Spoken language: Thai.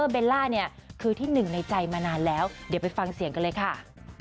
เบลล่าเนี่ยคือที่หนึ่งในใจมานานแล้วเดี๋ยวไปฟังเสียงกันเลยค่ะ